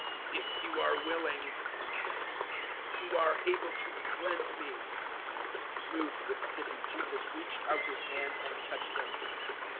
"If you are willing," he said, "you are able to cleanse me." 001:041 Moved with pity Jesus reached out His hand and touched him.